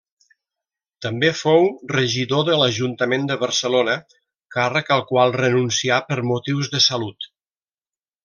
També fou regidor de l'Ajuntament de Barcelona, càrrec al qual renuncià per motius de salut.